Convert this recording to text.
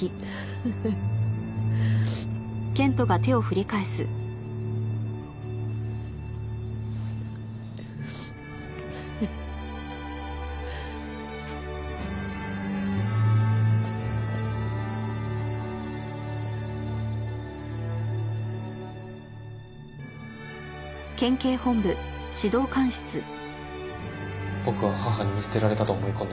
僕は母に見捨てられたと思い込んでました。